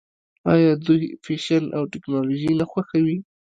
آیا دوی فیشن او ټیکنالوژي نه خوښوي؟